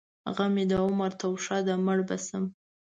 غم مې د عمر توښه ده؛ مړ به شم.